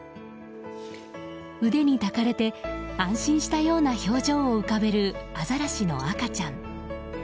腕に抱かれて安心したような表情を浮かべるアザラシの赤ちゃん。